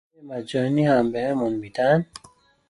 قهوه ی مجانی هم بهمون می دن.